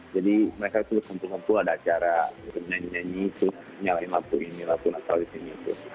jadi mereka terus sempurna ada acara nyanyi nyanyi terus nyalain lampu ini lampu natal di sini